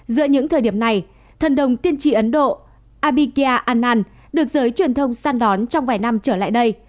giữa những thời điểm này thần đồng tiên tri ấn độ abhigya anand được giới truyền thông săn đón trong vài năm trở lại đây